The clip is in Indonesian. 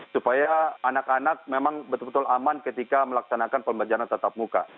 supaya anak anak memang betul betul aman ketika melaksanakan pembelajaran tetap muka